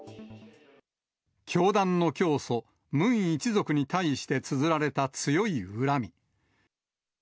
教団の教祖、ムン一族に対してつづられた強い恨み。